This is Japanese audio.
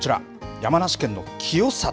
山梨県の清里。